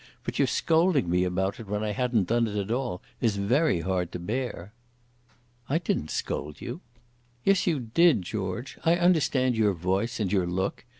But your scolding me about it when I hadn't done it at all is very hard to bear." "I didn't scold you." "Yes you did, George. I understand your voice and your look.